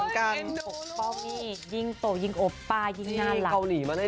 ปกป้องนี่ยิ่งโตยิ่งโอป้ายิ่งน่ารัก